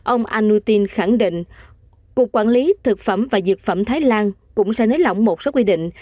ông anutin khẳng định cục quản lý thực phẩm và dược phẩm thái lan cũng sẽ nới lỏng một số quy định